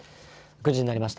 ９時になりました。